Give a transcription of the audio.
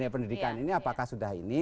pendidikan ini apakah sudah ini